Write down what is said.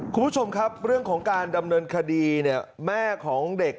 คุณผู้ชมครับเรื่องของการดำเนินคดีแม่ของเด็กก็เปิดใจถึงสาเหตุที่